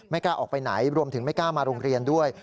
กล้าออกไปไหนรวมถึงไม่กล้ามาโรงเรียนด้วย